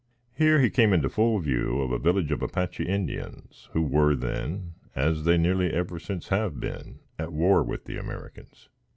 Here he came into full view of a village of Apache Indians, who were then, as they nearly ever since have been, at war with the Americans.